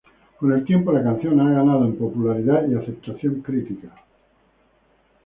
Con el tiempo, la canción ha ganado en popularidad y aceptación crítica.